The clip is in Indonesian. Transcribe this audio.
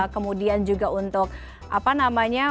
kemudian juga untuk apa namanya